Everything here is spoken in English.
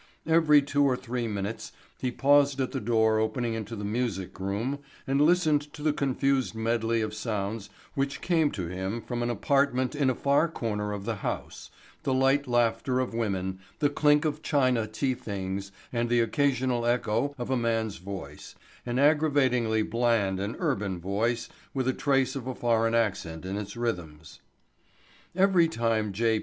Every two or three minutes he paused at the door opening into the music room and listened to the confused medley of sounds which came to him from an apartment in a far corner of the house—the light laughter of women, the clink of china tea things and the occasional echo of a man's voice, an aggravatingly bland and urbane voice with a trace of a foreign accent in its rhythms. Every time J.